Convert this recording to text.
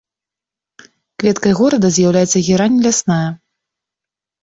Кветкай горада з'яўляецца герань лясная.